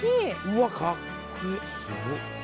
うわカッコいいすごっ！